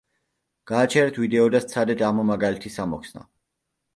გააჩერეთ ვიდეო და სცადეთ ამ მაგალითის ამოხსნა.